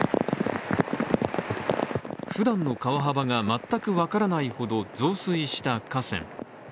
ふだんの川幅が全く分からないほど増水した河川。